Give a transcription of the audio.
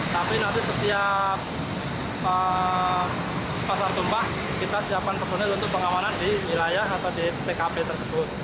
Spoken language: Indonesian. tapi nanti setiap pasar tumpah kita siapkan personil untuk pengamanan di wilayah atau di tkp tersebut